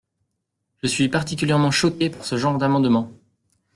Je suis particulièrement choquée par ce genre d’amendements.